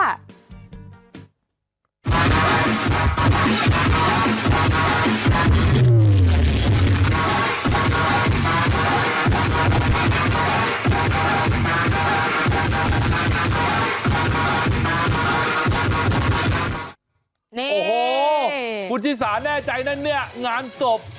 โอ้โหคุณชิสาแน่ใจนะเนี่ยงานศพ